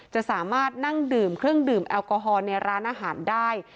จะสามารถนั่งดื่มเครื่องดื่มแอลกอฮอลในร้านอาหารได้